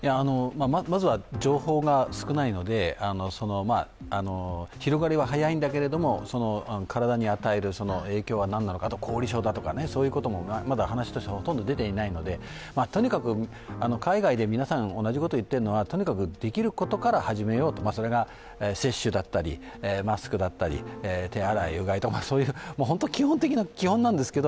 まずは情報が少ないので、広がりは早いんだけれども、体に与える影響は何なのか、後遺症だとかそういうこともまだ話としてほとんど出ていないので、海外で皆さん、同じことを言っているのはとにかくできることから始めよう、それが接種だったりマスクだったり、手洗い、うがい、基本なんですけど、